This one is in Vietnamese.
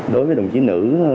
đối với đồng chí nữ